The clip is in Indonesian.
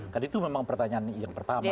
kan itu memang pertanyaan yang pertama